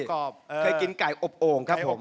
เคยกินไก่อบโอ่งครับผม